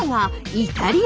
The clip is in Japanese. イタリア。